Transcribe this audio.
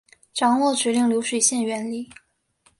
掌握指令流水线原理